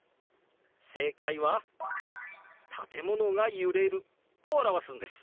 正解は「建物が揺れる」と表すんです。